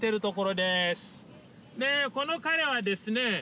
でこの彼はですね